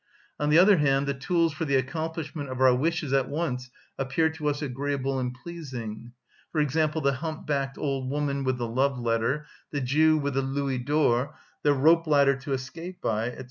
On the other hand, the tools for the accomplishment of our wishes at once appear to us agreeable and pleasing; for example, the hump‐backed old woman with the love‐letter, the Jew with the louis d'ors, the rope‐ladder to escape by, &c.